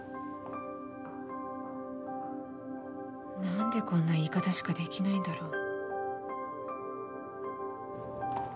何で、こんな言い方しかできないんだろう。